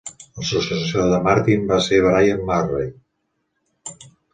El successor de Martin va ser Bryan Murray.